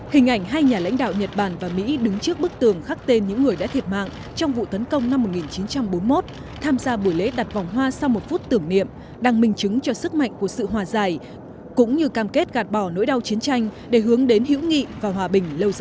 hình ảnh hai nhà lãnh đạo nhật bản và mỹ đứng trước bức tường khắc tên những người đã thiệt mạng trong vụ tấn công năm một nghìn chín trăm bốn mươi một tham gia buổi lễ đặt vòng hoa sau một phút tưởng niệm đang minh chứng cho sức mạnh của sự hòa giải cũng như cam kết gạt bỏ nỗi đau chiến tranh để hướng đến hữu nghị và hòa bình lâu dài